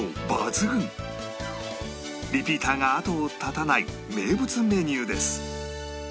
リピーターが後を絶たない名物メニューです